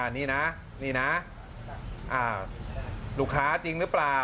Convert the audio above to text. อันนี้นะรู้ค้าจริงหรือเปล่า